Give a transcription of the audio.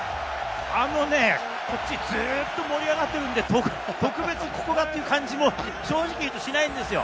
もうね、こっち、ずっと盛り上がってるんで、特別ここだっていう感じも正直しないんですよ。